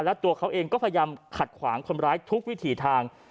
แล้วตัวเขาเองก็พยายามขัดขวางคนร้ายทุกวิถีทาง